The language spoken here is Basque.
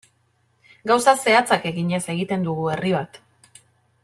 Gauza zehatzak eginez egiten dugu herri bat.